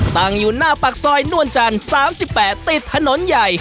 ตั้งอยู่หน้าปากซอยนวลจังสามสิบแปดติดถนนใหญ่